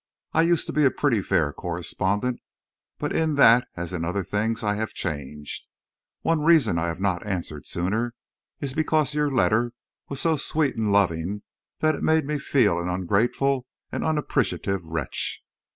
I used to be a pretty fair correspondent, but in that as in other things I have changed. One reason I have not answered sooner is because your letter was so sweet and loving that it made me feel an ungrateful and unappreciative wretch.